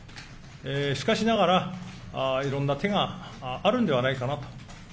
しかしながら、いろんな手があるんではないかなと。